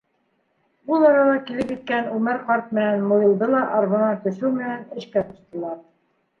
Ул арала килеп еткән Үмәр ҡарт менән Муйылды ла арбанан төшөү менән эшкә ҡуштылар.